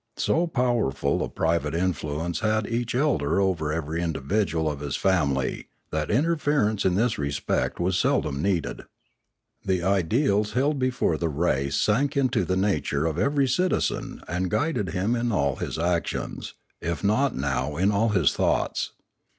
But so powerful a private in fluence had each elder over every individual of his family that interference in this respect was seldom needed. The ideals held before the race sank into the nature of every citizen and guided him in all his Polity 525 actions, if not now in all bis thoughts.